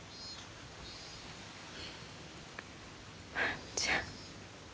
万ちゃん。